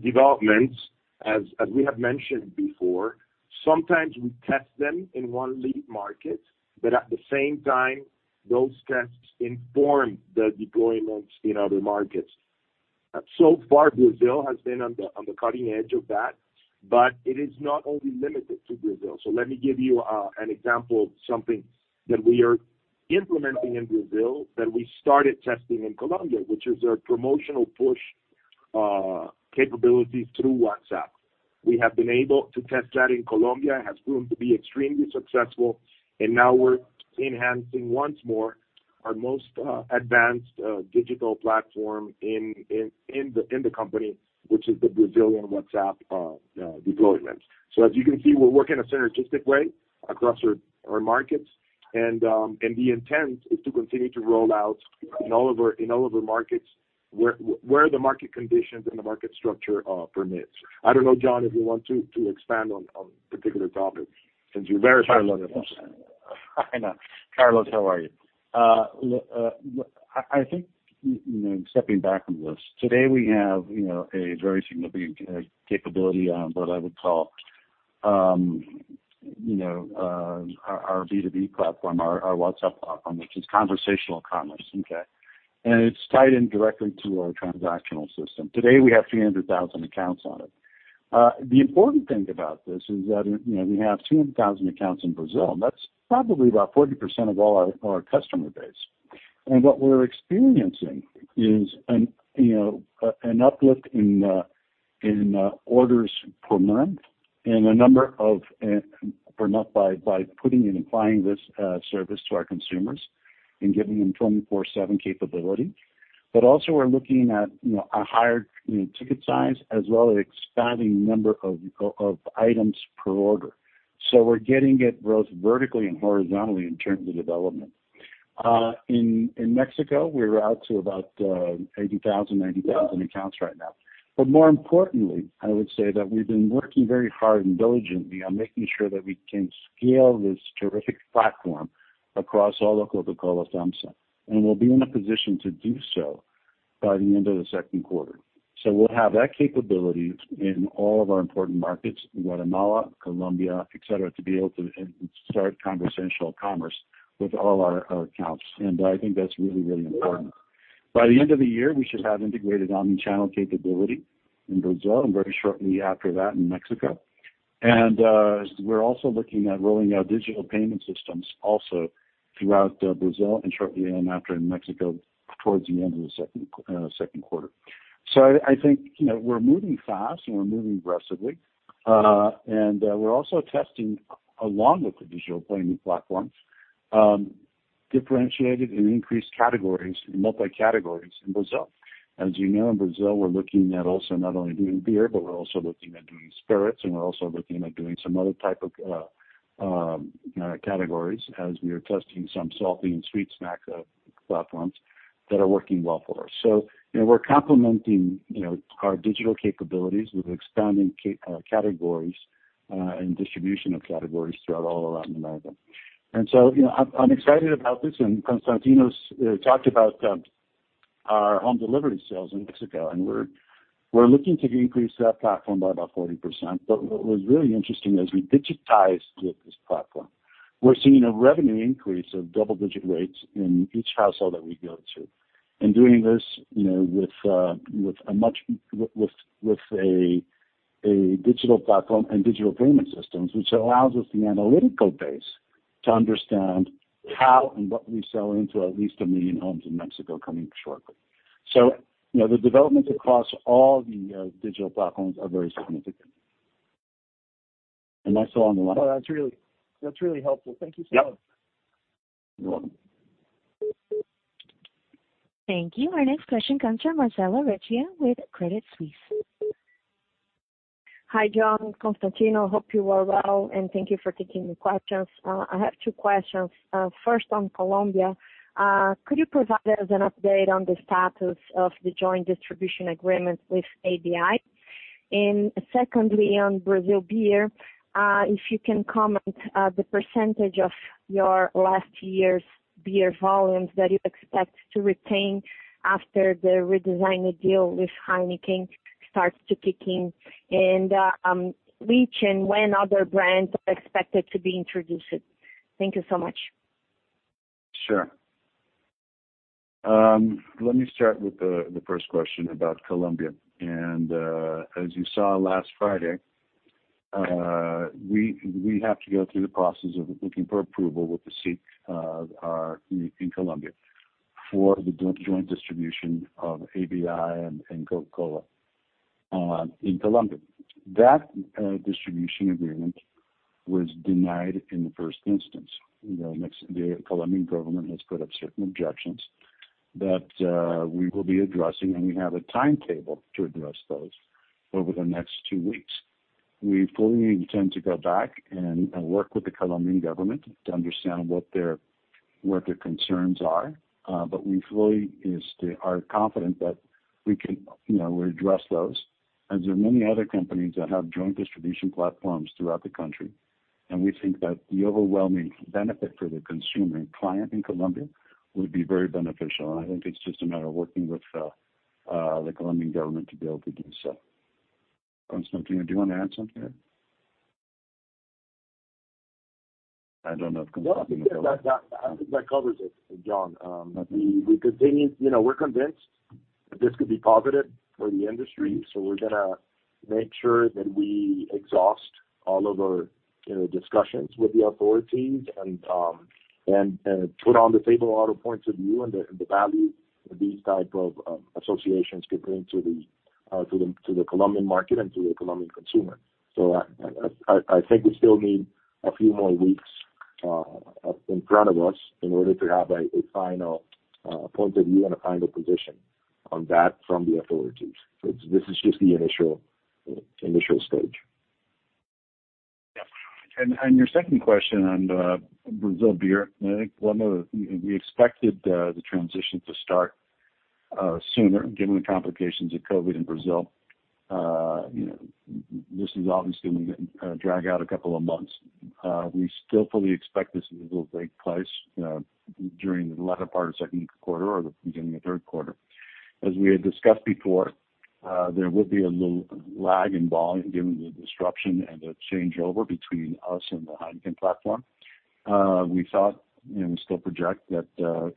[SPEAKER 3] developments, as we have mentioned before, sometimes we test them in one lead market, but at the same time, those tests inform the deployments in other markets. So far, Brazil has been on the cutting edge of that, but it is not only limited to Brazil. So let me give you an example of something that we are implementing in Brazil, that we started testing in Colombia, which is our promotional push capabilities through WhatsApp. We have been able to test that in Colombia, has proven to be extremely successful, and now we're enhancing once more our most advanced digital platform in the company, which is the Brazilian WhatsApp deployments. So as you can see, we're working in a synergistic way across our markets. The intent is to continue to roll out in all of our markets, where the market conditions and the market structure permits. I don't know, John, if you want to expand on particular topics, since you're very familiar with this.
[SPEAKER 2] I know. Carlos, how are you? Look, I think, you know, stepping back on this, today, we have, you know, a very significant capability on what I would call, you know, our B2B platform, our WhatsApp platform, which is conversational commerce, okay? And it's tied in directly to our transactional system. Today, we have three hundred thousand accounts on it. The important thing about this is that, you know, we have two hundred thousand accounts in Brazil, and that's probably about 40% of all our customer base. And what we're experiencing is an uplift in orders per month and a number of per month by putting and implying this service to our consumers and giving them twenty-four/seven capability. But also we're looking at, you know, a higher, you know, ticket size, as well as expanding number of items per order. So we're getting it both vertically and horizontally in terms of development. In Mexico, we're out to about 80,000-90,000 accounts right now. But more importantly, I would say that we've been working very hard and diligently on making sure that we can scale this terrific platform across all of Coca-Cola FEMSA, and we'll be in a position to do so by the end of the second quarter. So we'll have that capability in all of our important markets, Guatemala, Colombia, et cetera, to be able to start conversational commerce with all our accounts. And I think that's really, really important. By the end of the year, we should have integrated omni-channel capability in Brazil, and very shortly after that, in Mexico. And, we're also looking at rolling out digital payment systems also throughout, Brazil and shortly after in Mexico, towards the end of the second quarter. So I think, you know, we're moving fast and we're moving aggressively. And, we're also testing, along with the digital payment platforms, differentiated and increased categories, multi-categories in Brazil. As you know, in Brazil, we're looking at also not only doing beer, but we're also looking at doing spirits, and we're also looking at doing some other type of categories as we are testing some salty and sweet snack platforms that are working well for us. So, you know, we're complementing, you know, our digital capabilities with expanding categories and distribution of categories throughout all Latin America. And so, you know, I'm excited about this, and Constantino talked about our home delivery sales in Mexico, and we're looking to increase that platform by about 40%. But what was really interesting, as we digitize with this platform, we're seeing a revenue increase of double-digit rates in each household that we go to. And doing this, you know, with a much... with a digital platform and digital payment systems, which allows us the analytical base to understand how and what we sell into at least a million homes in Mexico coming shortly. So you know, the developments across all the digital platforms are very significant. Am I still on the line?
[SPEAKER 5] Oh, that's really, that's really helpful. Thank you so much.
[SPEAKER 3] Yep. You're welcome.
[SPEAKER 1] Thank you. Our next question comes from Marcella Recchia with Credit Suisse.
[SPEAKER 7] Hi, John, Constantino. Hope you are well, and thank you for taking the questions. I have two questions. First, on Colombia, could you provide us an update on the status of the joint distribution agreement with ABI? And secondly, on Brazil Beer, if you can comment on the percentage of your last year's beer volumes that you expect to retain after the redesigned deal with Heineken starts to kick in, and which and when other brands are expected to be introduced? Thank you so much.
[SPEAKER 2] Sure. Let me start with the first question about Colombia. As you saw last Friday, we have to go through the process of looking for approval with the SIC in Colombia for the joint distribution of ABI and Coca-Cola in Colombia. That distribution agreement was denied in the first instance. You know, the Colombian government has put up certain objections that we will be addressing, and we have a timetable to address those over the next two weeks. We fully intend to go back and work with the Colombian government to understand what their concerns are, but we fully are confident that we can, you know, we address those. As there are many other companies that have joint distribution platforms throughout the country, and we think that the overwhelming benefit for the consumer and client in Colombia would be very beneficial. And I think it's just a matter of working with the Colombian government to be able to do so. Constantino, do you want to add something? I don't know if
[SPEAKER 3] I think that covers it, John. We continue. You know, we're convinced that this could be positive for the industry, so we're gonna make sure that we exhaust all of our, you know, discussions with the authorities and put on the table a lot of points of view and the value that these type of associations could bring to the Colombian market and to the Colombian consumer. I think we still need a few more weeks up in front of us in order to have a final point of view and a final position on that from the authorities. This is just the initial stage.
[SPEAKER 2] Yeah. And your second question on Brazil beer, I think, well, no, we expected the transition to start sooner, given the complications of COVID in Brazil. You know, this is obviously gonna drag out a couple of months. We still fully expect this will take place during the latter part of second quarter or the beginning of third quarter. As we had discussed before, there will be a little lag in volume given the disruption and the changeover between us and the Heineken platform. We thought, and we still project, that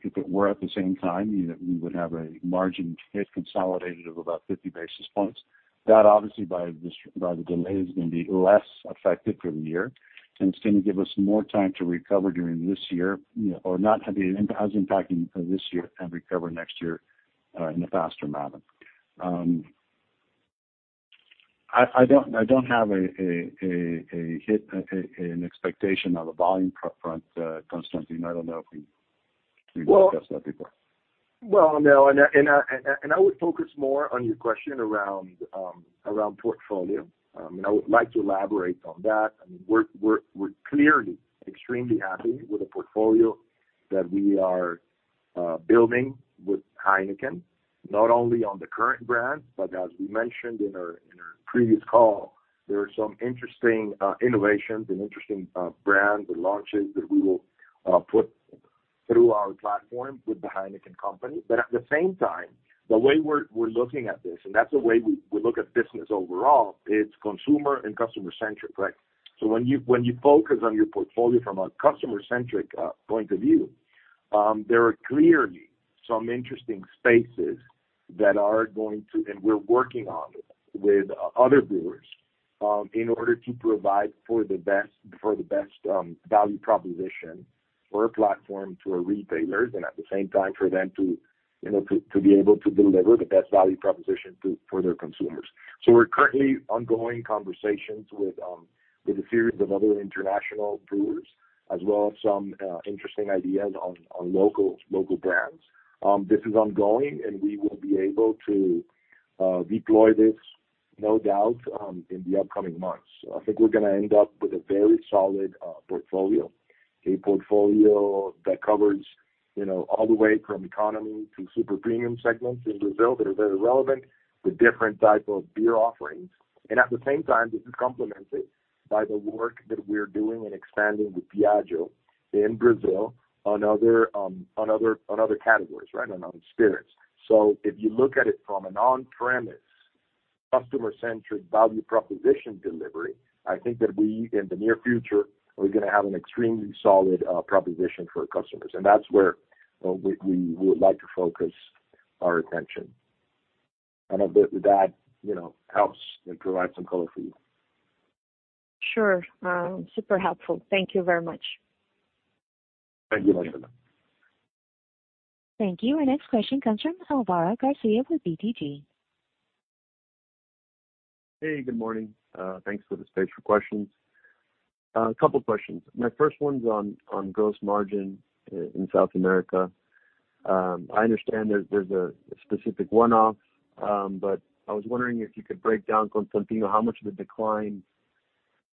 [SPEAKER 2] if it were at the same time, you know, we would have a margin hit consolidated of about fifty basis points. That obviously, by this, by the delay, is going to be less affected for the year and it's going to give us more time to recover during this year, you know, or not have it as impacting this year and recover next year, in a faster manner. I don't have an expectation on the volume front, Constantino. I don't know if we
[SPEAKER 3] Well,
[SPEAKER 2] Discussed that before.
[SPEAKER 3] No, I would focus more on your question around portfolio. And I would like to elaborate on that. I mean, we're clearly extremely happy with the portfolio that we are building with Heineken, not only on the current brand, but as we mentioned in our previous call, there are some interesting innovations and interesting brands and launches that we will put through our platform with the Heineken company. But at the same time, the way we're looking at this, and that's the way we look at business overall, it's consumer and customer centric, right? So when you focus on your portfolio from a customer-centric point of view, there are clearly some interesting spaces that are going to... And we're working on it with other brewers in order to provide the best value proposition or a platform to our retailers, and at the same time for them to, you know, to be able to deliver the best value proposition to their consumers. We're currently ongoing conversations with a series of other international brewers, as well as some interesting ideas on local brands. This is ongoing, and we will be able to deploy this, no doubt, in the upcoming months. I think we're gonna end up with a very solid portfolio. A portfolio that covers, you know, all the way from economy to super premium segments in Brazil that are very relevant, with different type of beer offerings. And at the same time, this is complemented by the work that we're doing in expanding the Diageo in Brazil on other categories, right? On spirits. So if you look at it from an on-premise, customer-centric value proposition delivery, I think that we, in the near future, are gonna have an extremely solid proposition for our customers. And that's where we would like to focus our attention. I don't know if that, you know, helps and provide some color for you.
[SPEAKER 7] Sure, super helpful. Thank you very much.
[SPEAKER 3] Thank you, Marcella.
[SPEAKER 1] Thank you. Our next question comes from Álvaro García with BTG.
[SPEAKER 8] Hey, good morning. Thanks for the space for questions. A couple questions. My first one's on gross margin in South America. I understand there's a specific one-off, but I was wondering if you could break down, Constantino, how much of the decline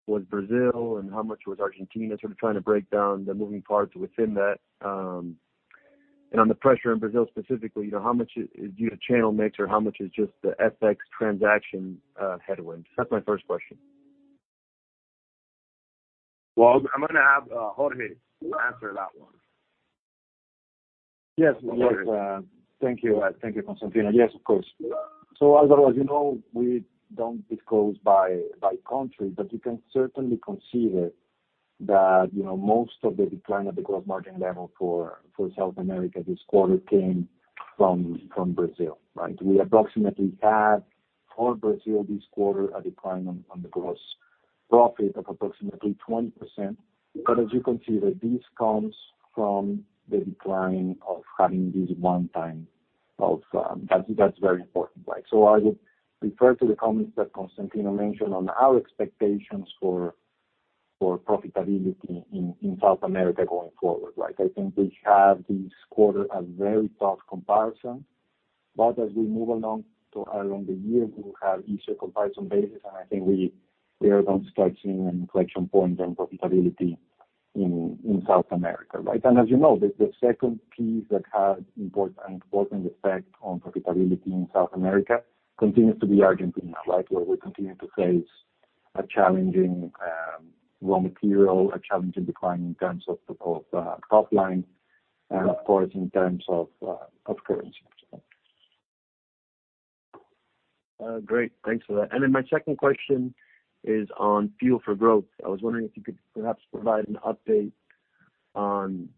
[SPEAKER 8] was Brazil and how much was Argentina? Sort of trying to break down the moving parts within that. And on the pressure in Brazil specifically, you know, how much is due to channel mix or how much is just the FX transaction headwind? That's my first question.
[SPEAKER 3] Well, I'm gonna have Jorge answer that one.
[SPEAKER 6] Yes, yes. Thank you. Thank you, Constantinos. Yes, of course. So Álvaro, as you know, we don't disclose by country, but you can certainly consider that, you know, most of the decline at the gross margin level for South America this quarter came from Brazil, right? We approximately had for Brazil this quarter a decline on the gross profit of approximately 20%. But as you can see that this comes from the decline of having this one time of, that's, that's very important, right? So I would refer to the comments that Constantino mentioned on our expectations for profitability in South America going forward, right? I think we have this quarter a very tough comparison. But as we move along to along the year, we will have easier comparison basis, and I think we are on stretching an inflection point on profitability in South America, right? As you know, the second piece that has an important effect on profitability in South America continues to be Argentina, right, where we continue to face a challenging raw material, a challenging decline in terms of both top line and, of course, in terms of currency.
[SPEAKER 8] Great, thanks for that. And then my second question is on Fuel for Growth. I was wondering if you could perhaps provide an update on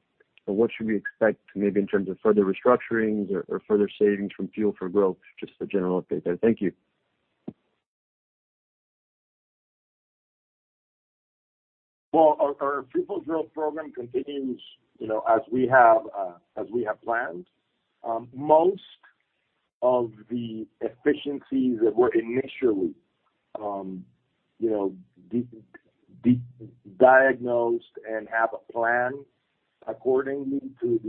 [SPEAKER 8] what should we expect maybe in terms of further restructurings or further savings from Fuel for Growth? Just a general update there. Thank you.
[SPEAKER 3] Our Fuel for Growth program continues, you know, as we have planned. Most of the efficiencies that were initially you know diagnosed and have a plan accordingly to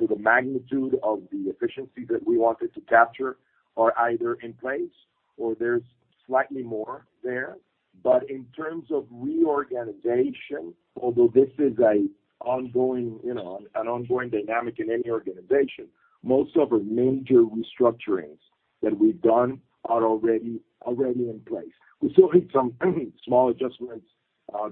[SPEAKER 3] the magnitude of the efficiency that we wanted to capture are either in place or there's slightly more there, but in terms of reorganization, although this is an ongoing, you know, dynamic in any organization, most of our major restructurings that we've done are already in place. We still need some small adjustments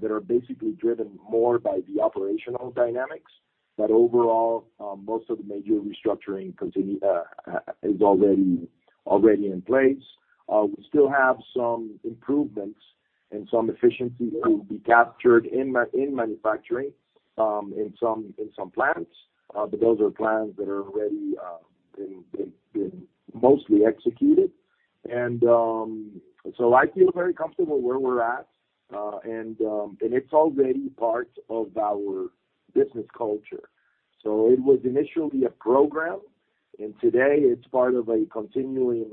[SPEAKER 3] that are basically driven more by the operational dynamics, but overall most of the major restructuring continues, is already in place. We still have some improvements and some efficiencies to be captured in manufacturing in some plants. But those are plants that are already been mostly executed. And so I feel very comfortable where we're at, and it's already part of our business culture. So it was initially a program, and today it's part of a continuous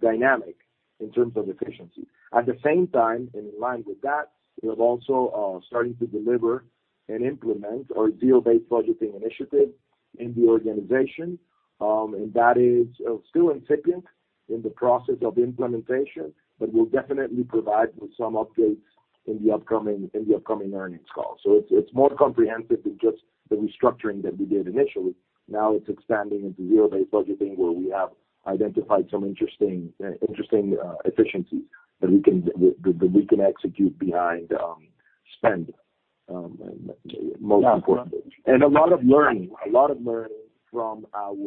[SPEAKER 3] dynamic in terms of efficiency. At the same time, and in line with that, we have also starting to deliver and implement our zero-based budgeting initiative in the organization. And that is still incipient in the process of implementation, but we'll definitely provide some updates in the upcoming earnings call. So it's more comprehensive than just the restructuring that we did initially. Now it's expanding into zero-based budgeting, where we have identified some interesting efficiencies that we can execute behind spend, most importantly, and a lot of learning from our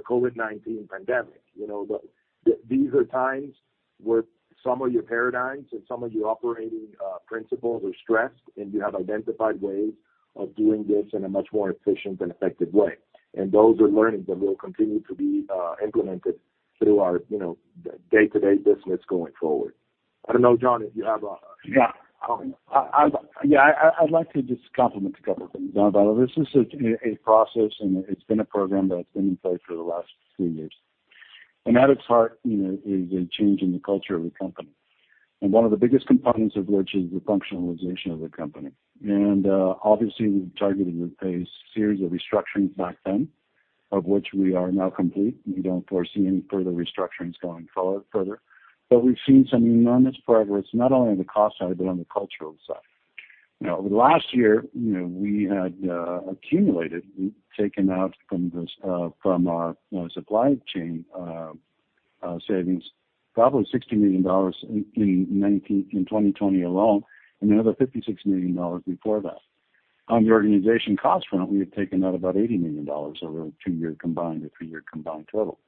[SPEAKER 3] COVID-19 pandemic. You know, these are times where some of your paradigms and some of your operating principles are stressed, and you have identified ways of doing this in a much more efficient and effective way, and those are learnings that will continue to be implemented through our, you know, day-to-day business going forward. I don't know, John, if you have a,
[SPEAKER 2] Yeah. I'd like to just compliment a couple of things, John, but this is a process, and it's been a program that's been in place for the last three years. And at its heart, you know, is a change in the culture of the company, and one of the biggest components of which is the functionalization of the company. And obviously, we've targeted a series of restructurings back then, of which we are now complete. We don't foresee any further restructurings going forward. But we've seen some enormous progress, not only on the cost side, but on the cultural side. You know, over the last year, you know, we had accumulated, we've taken out from this from our, you know, supply chain savings, probably $60 million in 2020 alone, and another $56 million before that. On the organization cost front, we had taken out about $80 million over a two-year combined or three-year combined total.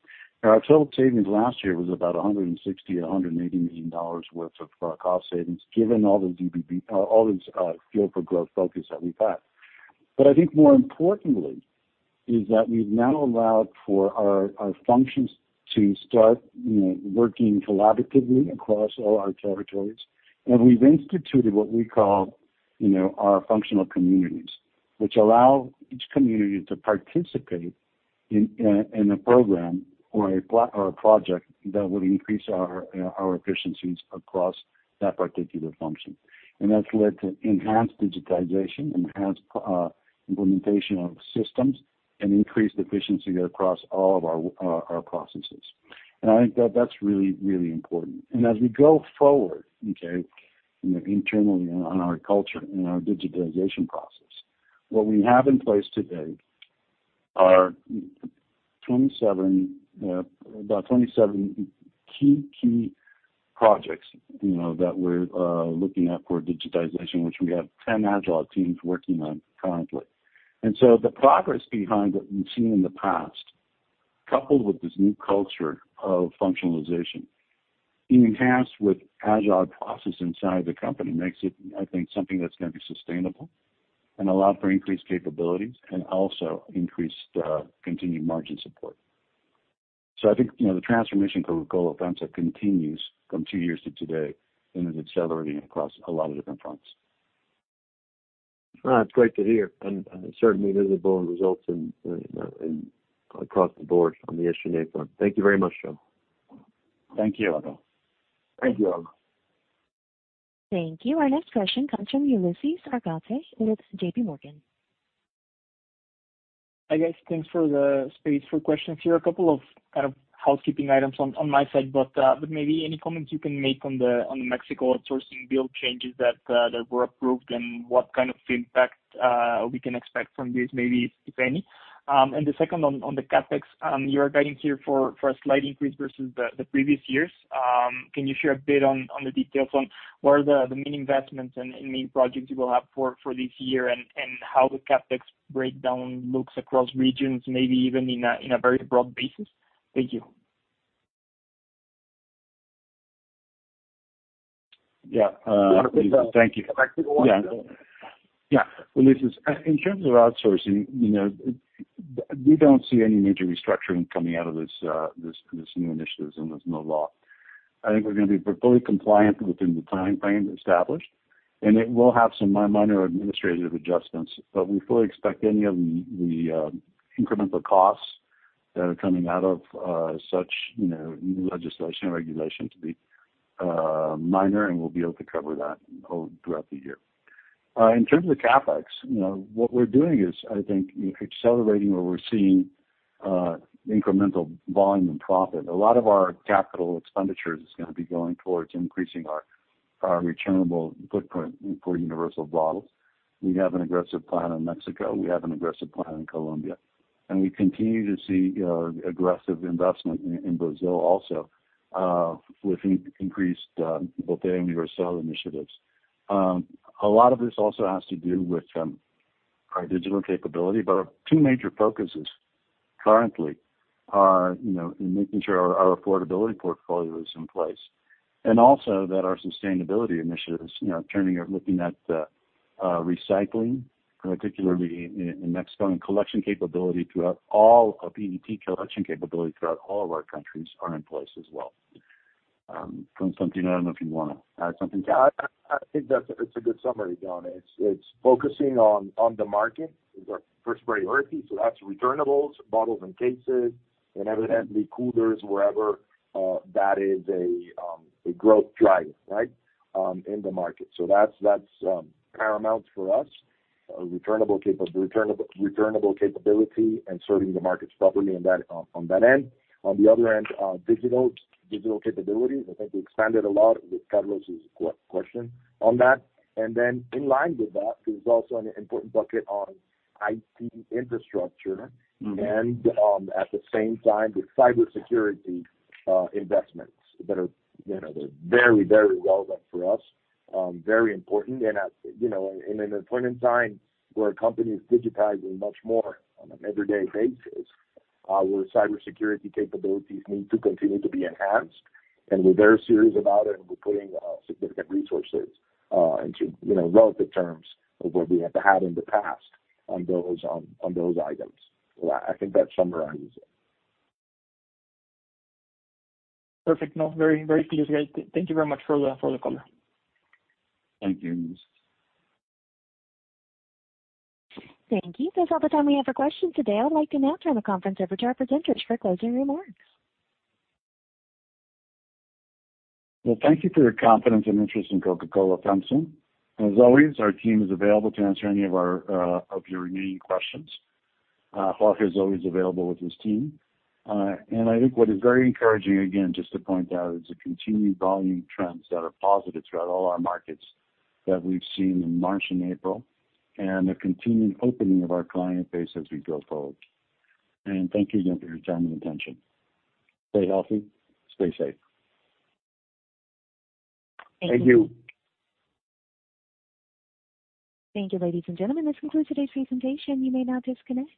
[SPEAKER 2] Now, our total savings last year was about $160 million to $180 million worth of cost savings, given all this Fuel for Growth focus that we've had. But I think more importantly, is that we've now allowed for our functions to start, you know, working collaboratively across all our territories. And we've instituted what we call, you know, our functional communities, which allow each community to participate in a program or a project that would increase our efficiencies across that particular function. And that's led to enhanced digitization, enhanced implementation of systems and increased efficiency across all of our processes. And I think that that's really, really important. And as we go forward, okay, you know, internally on our culture and our digitization process, what we have in place today are about 27 key projects, you know, that we're looking at for digitization, which we have 10 agile teams working on currently. And so the progress behind what we've seen in the past-... Coupled with this new culture of functionalization, enhanced with agile process inside the company, makes it, I think, something that's gonna be sustainable and allow for increased capabilities and also increased continued margin support. So I think, you know, the transformation for Coca-Cola FEMSA continues from two years to today and is accelerating across a lot of different fronts.
[SPEAKER 8] It's great to hear, and certainly visible in results, in across the board on the S&A front. Thank you very much, John.
[SPEAKER 2] Thank you, Álvaro.
[SPEAKER 3] Thank you, Álvaro.
[SPEAKER 1] Thank you. Our next question comes from Ulises Argote with J.P. Morgan.
[SPEAKER 9] Hi, guys. Thanks for the space for questions here. A couple of kind of housekeeping items on my side, but maybe any comments you can make on the Mexico outsourcing bill changes that were approved and what kind of impact we can expect from this, maybe, if any? And the second on the CapEx you are guiding here for a slight increase versus the previous years. Can you share a bit on the details on what are the main investments and main projects you will have for this year, and how the CapEx breakdown looks across regions, maybe even in a very broad basis? Thank you.
[SPEAKER 2] Yeah, thank you. Yeah. Well, this is in terms of outsourcing. You know, we don't see any major restructuring coming out of this new initiatives, and there's no law. I think we're gonna be fully compliant within the time frame established, and it will have some minor administrative adjustments. But we fully expect any of the incremental costs that are coming out of such, you know, new legislation or regulation to be minor, and we'll be able to cover that throughout the year. In terms of CapEx, you know, what we're doing is, I think, accelerating where we're seeing incremental volume and profit. A lot of our capital expenditures is gonna be going towards increasing our returnable footprint for universal bottles. We have an aggressive plan in Mexico. We have an aggressive plan in Colombia. And we continue to see aggressive investment in Brazil also with increased both universal initiatives. A lot of this also has to do with our digital capability, but our two major focuses currently are, you know, in making sure our affordability portfolio is in place, and also that our sustainability initiatives, you know, turning or looking at recycling, particularly in Mexico, and PET collection capability throughout all of our countries are in place as well. Francisco, I don't know if you wanna add something to that? I think that's a good summary, John. It's focusing on the market is our first priority, so that's returnables, bottles and cases, and evidently coolers, wherever that is a growth driver, right, in the market. So that's paramount for us. Returnable capability and serving the markets properly on that end. On the other end, digital capabilities, I think we expanded a lot with Carlos's question on that. And then in line with that, there's also an important bucket on IT infrastructure-
[SPEAKER 9] Mm-hmm. And, at the same time, with cybersecurity investments that are, you know, they're very, very relevant for us, very important. And as, you know, in a point in time where a company is digitizing much more on an everyday basis, our cybersecurity capabilities need to continue to be enhanced, and we're very serious about it, and we're putting significant resources into, you know, relative terms of what we had to have in the past on those items. So I think that summarizes it. Perfect. No, very, very clear, guys. Thank you very much for the call.
[SPEAKER 3] Thank you.
[SPEAKER 1] Thank you. That's all the time we have for questions today. I would like to now turn the conference over to our presenters for closing remarks.
[SPEAKER 2] Thank you for your confidence and interest in Coca-Cola FEMSA. As always, our team is available to answer any of your remaining questions. Jorge is always available with his team. I think what is very encouraging, again, just to point out, is the continued volume trends that are positive throughout all our markets that we've seen in March and April, and the continued opening of our client base as we go forward. Thank you again for your time and attention. Stay healthy, stay safe.
[SPEAKER 3] Thank you.
[SPEAKER 1] Thank you, ladies and gentlemen. This concludes today's presentation. You may now disconnect.